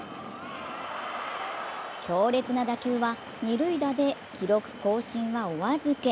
強烈な打球は二塁打で記録更新はお預け。